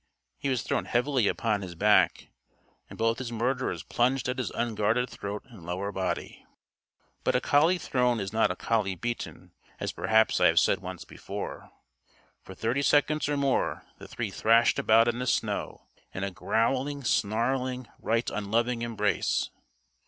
He was thrown heavily upon his back, and both his murderers plunged at his unguarded throat and lower body. But a collie thrown is not a collie beaten, as perhaps I have said once before. For thirty seconds or more the three thrashed about in the snow in a growling, snarling, right unloving embrace.